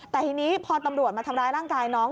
แต่ทีนี้พอตำรวจมาทำร้ายร่างกายน้อง